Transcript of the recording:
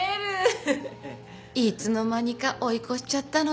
「いつの間にか追い越しちゃったのだ」